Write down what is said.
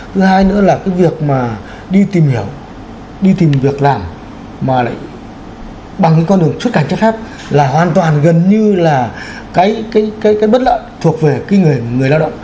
thứ hai nữa là cái việc mà đi tìm hiểu đi tìm việc làm mà lại bằng con đường xuất cảnh chấp pháp là hoàn toàn gần như là cái bất lợi thuộc về người lao động